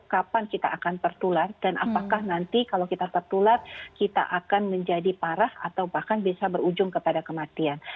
kapan kita akan tertular dan apakah nanti kalau kita tertular kita akan menjadi parah atau bahkan bisa berujung kepada kematian